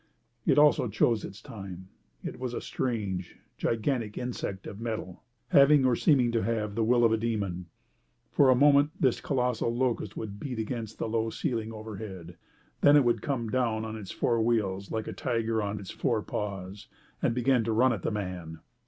It also chose its time. It was a strange, gigantic insect of metal, having or seeming to have the will of a demon. For a moment this colossal locust would beat against the low ceiling overhead, then it would come down on its four wheels like a tiger on its four paws, and begin to run at the man.